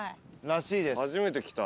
初めて来た。